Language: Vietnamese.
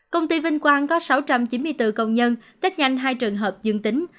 công ty vinh quang có sáu trăm chín mươi bốn công nhân tết nhanh hai trường hợp dương tính